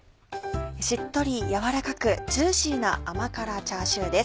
しっとり軟らかくジューシーな甘辛チャーシューです。